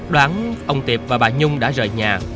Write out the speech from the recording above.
đoán ông tiệp và bà nhung đã rời nhà